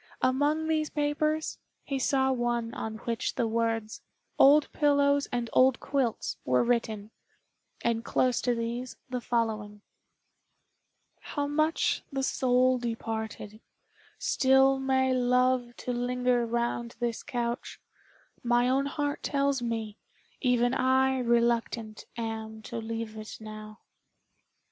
Among these papers he saw one on which the words "Old pillows and old quilts" were written, and close to these the following: "How much the soul departed, still May love to linger round this couch, My own heart tells me, even I Reluctant am to leave it now."